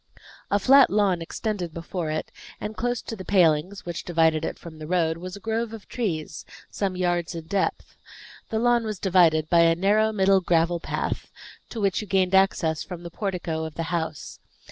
A flat lawn extended before it, and close to the palings, which divided it from the road, was a grove of trees, some yards in depth. The lawn was divided by a narrow middle gravel path, to which you gained access from the portico of the house.